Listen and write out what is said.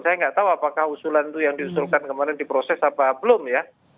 saya nggak tahu apakah usulan itu yang diusulkan kemarin diproses apa belum ya